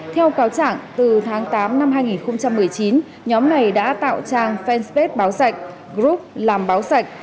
theo cáo trạng từ tháng tám năm hai nghìn một mươi chín nhóm này đã tạo trang fanpage báo sạch group làm báo sạch